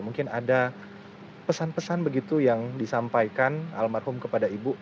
mungkin ada pesan pesan begitu yang disampaikan almarhum kepada ibu